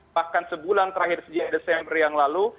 bahkan sebulan terakhir sejak desember yang lalu